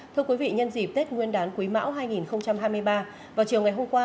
thưa quý vị nhân dịp tết nguyên đán quý mão hai nghìn hai mươi ba vào chiều ngày hôm qua